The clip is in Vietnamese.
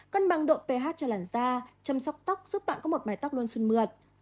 cân bằng độ ph cho làn da chăm sóc tóc giúp bạn có một mái tóc luôn xuân mượt